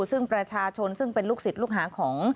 ซึ่งประชาชนซึ่งเป็นลูกศิษย์ลูกหาของ